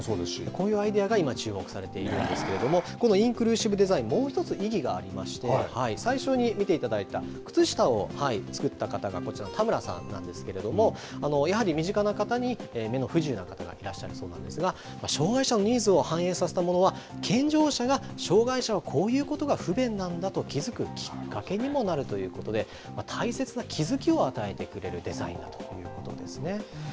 こういうアイデアが今、注目されているんですけれども、このインクルーシブデザイン、もう１つ意義がありまして、最初に見ていただいた、靴下を作った方がこちらの田村さんなんですけれども、やはり身近な方に目の不自由な方がいらっしゃるそうなんですが、障害者のニーズを反映させたものは、健常者が、障害者はこういうことが不便なんだと気付くきっかけにもなるということで、大切な気づきを与えてくれるデザインということですね。